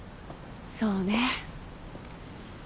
そうね。